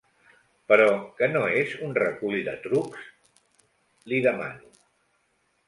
Però, que no és un recull de trucs? —li demano.